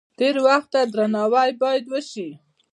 تیر وخت ته درناوی باید وشي.